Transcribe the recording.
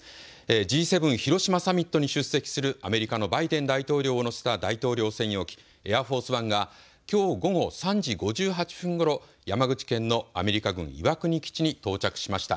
Ｇ７広島サミットに出席するアメリカのバイデン大統領を乗せた大統領専用機エアフォース・ワンがきょう午後３時５８分ごろ、山口県のアメリカ軍岩国基地に到着しました。